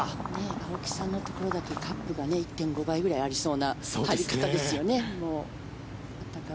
青木さんのところだけカップが１．５倍ぐらいありそうな入り方ですよね。